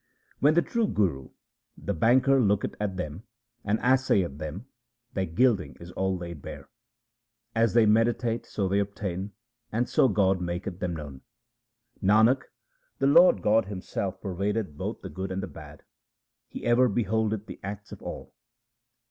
When the true Guru the banker looketh at them and assayeth them, their gilding is all laid bare. As they meditate, so they obtain, and so God maketh them known. 1 Nanak, the Lord God Himself pervadeth both the good and the bad ; 2 he ever beholdeth the acts of all.